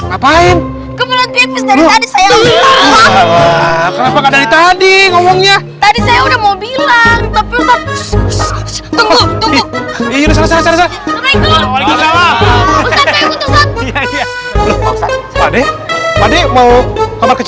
ngapain ke pulau tibis dari tadi saya bilang kenapa nggak dari tadi ngomongnya tadi saya udah mau bilang